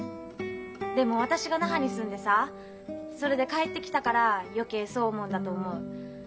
でも私が那覇に住んでさそれで帰ってきたから余計そう思うんだと思う。